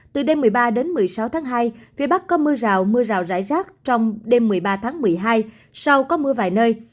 từ đêm một mươi ba đến một mươi sáu tháng hai phía bắc có mưa rào mưa rào rải rác trong đêm một mươi ba tháng một mươi hai sau có mưa vài nơi